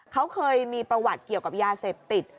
เขาเคยมีประวัติเกี่ยวกับยาเสพติด